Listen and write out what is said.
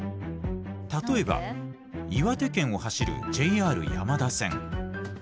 例えば岩手県を走るＪＲ山田線。